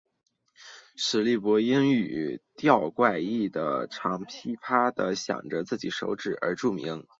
史力柏因语调怪异和常劈啪地晌自己手指而著名。